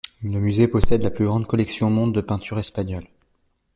Le musée possède la plus grande collection au monde de peintures espagnoles.